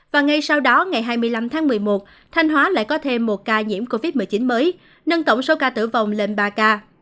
và ngay sau đó ngày hai mươi năm tháng một mươi một thanh hóa lại có thêm một ca nhiễm covid một mươi chín mới nâng tổng số ca tử vong lên ba ca